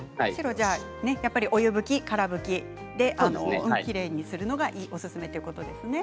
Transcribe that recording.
やっぱりお湯拭き、から拭きできれいにするのがおすすめということですね。